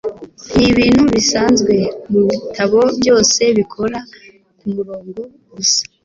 Nibintu bisanzwe mubitabo byose bikora kumurongo gusa